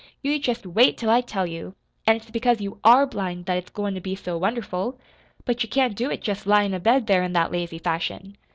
"You jest wait till I tell you; an' it's because you ARE blind that it's goin' to be so wonderful. But you can't do it jest lyin' abed there in that lazy fashion.